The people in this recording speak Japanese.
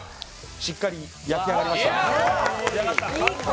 しっかり焼き上がりました。